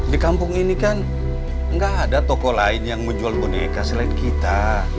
di kampung ini kan nggak ada toko lain yang menjual boneka selain kita